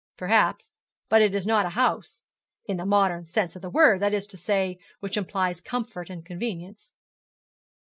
'Perhaps; but it is not a house; in the modern sense of the word, that is to say, which implies comfort and convenience.'